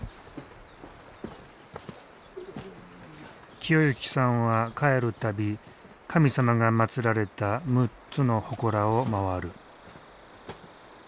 清幸さんは帰る度神様がまつられた６つのほこらを回る。